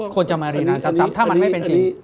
ควรจะมาเรียนรันทรัพย์ถ้ามันไม่เป็นจริง